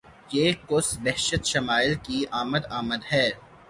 یہ کس بہشت شمائل کی آمد آمد ہے!